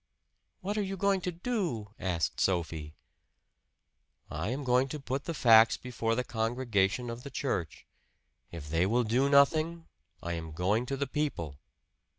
"What are you going to do?" asked Sophie. "I am going to put the facts before the congregation of the church. If they will do nothing, I am going to the people."